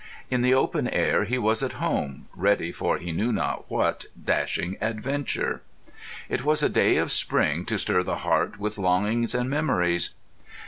In the open air he was at home, ready for he knew not what dashing adventure. It was a day of spring to stir the heart with longings and memories.